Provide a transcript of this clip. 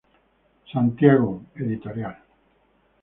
Santiago: Ed.